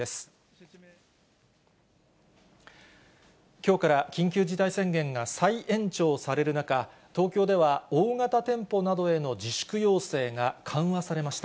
きょうから緊急事態宣言が再延長される中、東京では大型店舗などへの自粛要請が緩和されました。